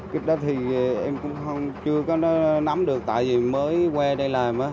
cái đó thì em cũng chưa có nắm được tại vì mới qua đây làm